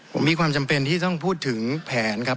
ผมมีความจำเป็นที่ต้องพูดถึงแผนครับ